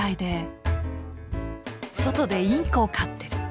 外でインコを飼ってる。